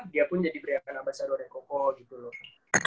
dia pun jadi brand ambassador nya koko gitu loh